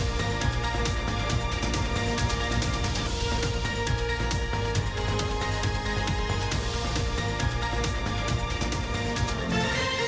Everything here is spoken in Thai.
สวัสดีค่ะ